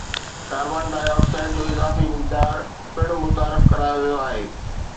carbon dioxide جو اضافي مقدار پڻ متعارف ڪرايو ويو آهي